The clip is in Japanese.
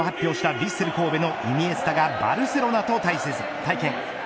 ヴィッセル神戸のイニエスタがバルセロナと対戦。